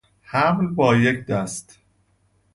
حمل با یک دست